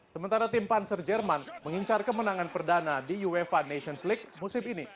sementara tim panser jerman mengincar kemenangan perdana di uefa nations league musim ini